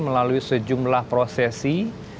melalui sejumlah prosesi